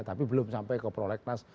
tapi belum sampai ke prolegnas